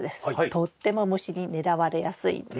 とっても虫に狙われやすいんです。